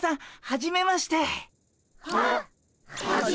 ははじめまして。